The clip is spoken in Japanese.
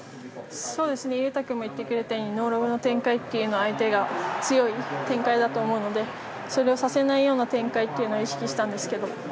勇大君も言ってくれたようにノーロブの展開は相手が強い展開だと思うのでそれをさせないような展開を意識したんですけど。